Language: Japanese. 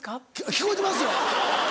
聞こえてますよ。